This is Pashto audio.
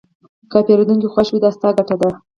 که پیرودونکی خوښ وي، دا ستا ګټه ده.